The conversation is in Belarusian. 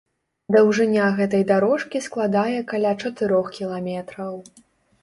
Даўжыня гэтай дарожкі складае каля чатырох кіламетраў.